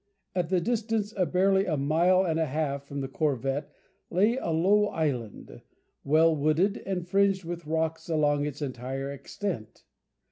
At the distance of barely a mile and a half from the corvette lay a low island, well wooded, and fringed with rocks along its entire extent.